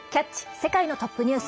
世界のトップニュース」。